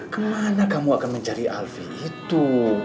kemana kamu akan mencari alfie itu